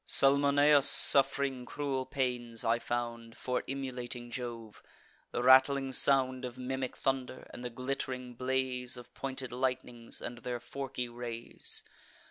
Salmoneus, suff'ring cruel pains, I found, For emulating Jove; the rattling sound Of mimic thunder, and the glitt'ring blaze Of pointed lightnings, and their forky rays.